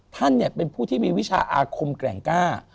ท่านเป็นผู้ที่มีวิชาอาคมแกร่งกล้า